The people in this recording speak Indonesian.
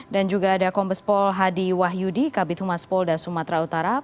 dan juga ada kombespol hadi wahyudi kabit humas pol da sumatera utara